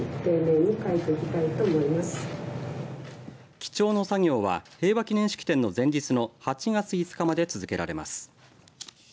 記帳の作業は平和記念式典の前日の８月５日まで続けられます。